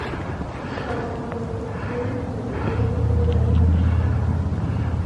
Para su construcción se empleó piedra gris y blanca.